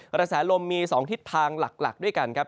กระแสลมมี๒ทิศทางหลักด้วยกันครับ